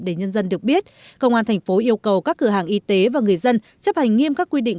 để nhân dân được biết công an thành phố yêu cầu các cửa hàng y tế và người dân chấp hành nghiêm các quy định